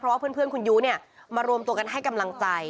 เพราะว่าเพื่อนคุณยู้มารวมตัวกันให้กำลังใจ